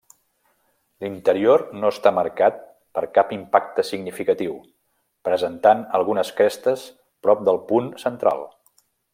L'interior no està marcat per cap impacte significatiu, presentant algunes crestes prop del punt central.